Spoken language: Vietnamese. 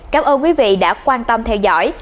cảm ơn quý vị đã quan tâm theo dõi